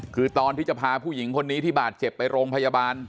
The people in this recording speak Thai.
คือตอนที่จะพาผู้หญิงคนนี้ที่บาดเจ็บไปโรงพยาบาล